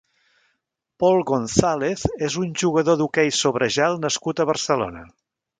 Pol González és un jugador d'hoquei sobre gel nascut a Barcelona.